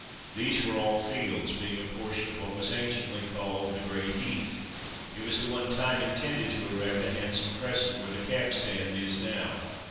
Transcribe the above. These were all fields, being a portion of what was anciently called "the Great Heath." It was at one time intended to erect a handsome Crescent where the cab stand is now.